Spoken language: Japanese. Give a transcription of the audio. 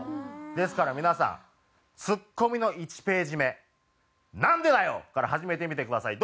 ですから皆さんツッコミの１ページ目「なんでだよ！」から始めてみてください。